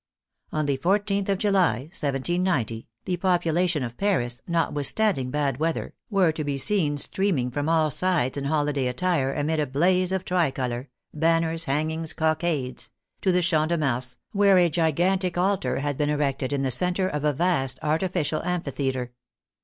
On the 14th of July, 1790, the population of Paris, not withstanding bad weather, were to be seen streaming THE NEW CONSTITUTION 27 from all sides in holiday attire, amid a blaze of tricolor — banners, hangings, cockades — to the Champ de Mars, where a gigantic altar had been erected in the center of a vast artificial amphitheater.